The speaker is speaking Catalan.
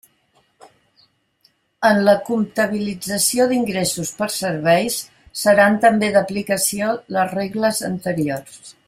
En la comptabilització d'ingressos per serveis seran també d'aplicació les regles anteriors.